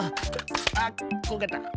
あっこけた。